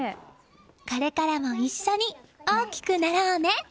これからも一緒に大きくなろうね。